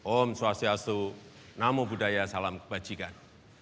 om swastiastu namo buddhaya salam kebajikan